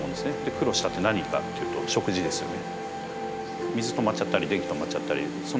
苦労したって何かっていうと食事ですよね。